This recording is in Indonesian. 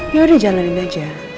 yaudah jalanin aja